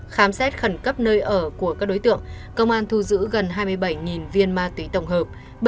khám xét khẩn cấp nơi ở của các đối tượng công an thu giữ gần hai mươi bảy viên ma túy tổng hợp